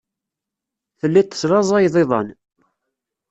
Telliḍ teslaẓayeḍ iḍan.